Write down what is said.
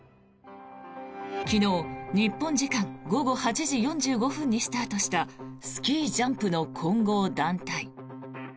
昨日日本時間午後８時４５分にスタートしたスキージャンプの混合団体。